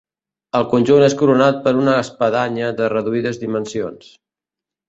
El conjunt és coronat per una espadanya de reduïdes dimensions.